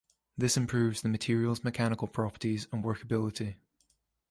This improves the material's mechanical properties and workability.